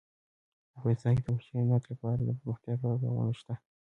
افغانستان کې د وحشي حیوانات لپاره دپرمختیا پروګرامونه شته.